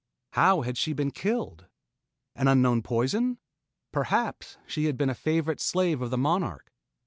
How had she been killed? An unknown poison? Perhaps she had been a favorite slave of the monarch.